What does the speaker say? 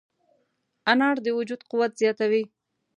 انار د وجود قوت زیاتوي.